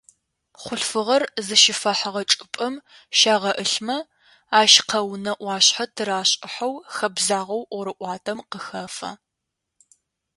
Хъулъфыгъэр зыщыфэхыгъэ чӏыпӏэм щагъэӏылъмэ, ащ къэунэ ӏуашъхьэ тырашӏыхьэу хэбзагъэу ӏорыӏуатэм къыхэфэ.